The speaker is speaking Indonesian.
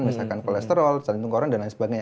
misalkan kolesterol saling tunggu orang dan lain sebagainya